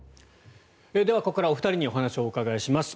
ここからお二人にお話をお伺いします。